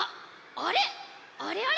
あれあれ？